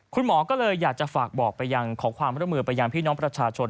คุณหมอก็เลยอยากจะฝากบอกไปยังขอความร่วมมือไปยังพี่น้องประชาชน